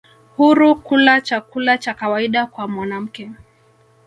huru kula chakula cha kawaida kwa mwanamke